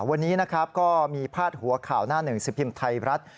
วันนี้นะครับก็มีพาดหัวข่าวหน้าหนึ่งสิบพิมพ์ไทยรัฐ